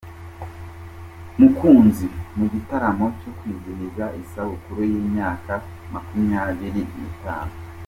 Mukunzi mu gitaramo cyo kwizihiza isabukuru y’imyaka makumyabiri nitanu